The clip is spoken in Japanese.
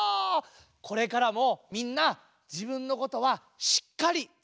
これからもみんなじぶんのことはしっかりつたえていこうね！